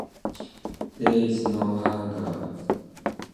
There is no hangar.